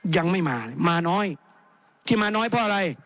ยังไม่มาเลยมาน้อยที่มาน้อยเพราะอะไร